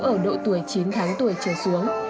ở độ tuổi chín tháng tuổi trở xuống